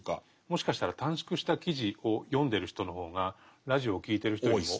もしかしたら短縮した記事を読んでる人の方がラジオを聴いてる人よりも。